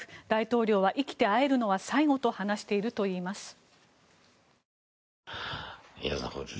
大統領は生きて会えるのは最後と話しているといいます。